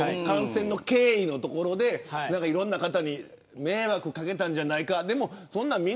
感染の経緯のところでなんかいろんな方に迷惑かけたんじゃないかでも、そんな